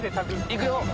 いくよ！